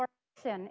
dan empat hingga lima